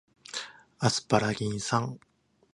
アスパラギン酸